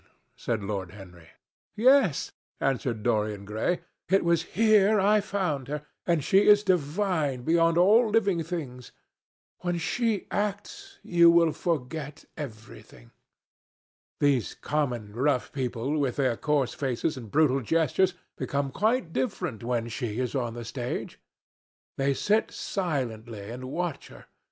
said Lord Henry. "Yes!" answered Dorian Gray. "It was here I found her, and she is divine beyond all living things. When she acts, you will forget everything. These common rough people, with their coarse faces and brutal gestures, become quite different when she is on the stage. They sit silently and watch her.